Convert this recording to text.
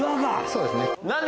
そうですね。